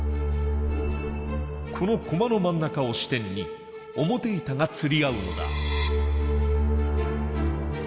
この駒の真ん中を支点に表板が釣り合うのだ。